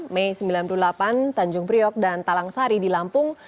mei seribu sembilan ratus sembilan puluh delapan tanjung priok dan talang sari di lampung